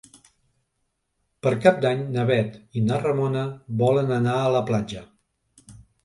Per Cap d'Any na Bet i na Ramona volen anar a la platja.